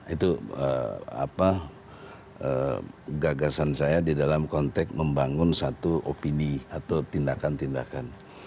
itu gagasan saya di dalam konteks membangun satu opini atau tindakan tindakan